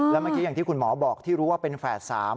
แล้วเมื่อกี้อย่างที่คุณหมอบอกที่รู้ว่าเป็นแฝด๓